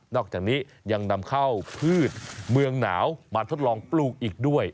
อกจากนี้ยังนำข้าวพืชเมืองหนาวมาทดลองปลูกอีกด้วย